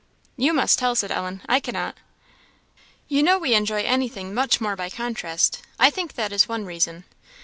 "You must tell," said Ellen; "I cannot." "You know we enjoy anything much more by contrast; I think that is one reason.